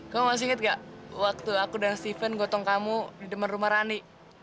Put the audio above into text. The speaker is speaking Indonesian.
kamu masih ingat gak waktu aku dan steven gotong kamu di depan rumah rani